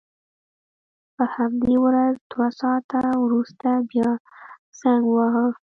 په همدې ورځ دوه ساعته وروسته بیا زنګ وواهه.